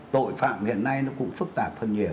tội phạm hiện nay nó cũng phức tạp